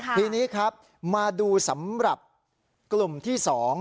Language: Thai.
ทีนี้ครับมาดูสำหรับกลุ่มที่๒